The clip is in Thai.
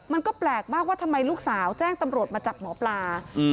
มันก็แปลกมากว่าทำไมลูกสาวแจ้งตำรวจมาจับหมอปลา